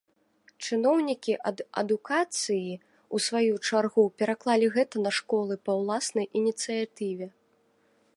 Чыноўнікі ад адукацыі, у сваю чаргу, пераклалі гэта на школы па уласнай ініцыятыве.